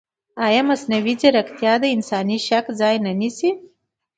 ایا مصنوعي ځیرکتیا د انساني شک ځای نه نیسي؟